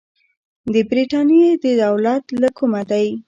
د برتانیې دولت له کومه دی.